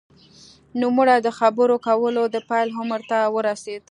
نوموړی د خبرو کولو د پیل عمر ته ورسېد